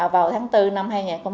vào tháng bốn năm hai nghìn hai mươi